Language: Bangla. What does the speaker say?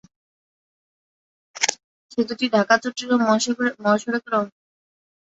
সেতুটি ঢাকা-চট্টগ্রাম মহাসড়কের অংশ।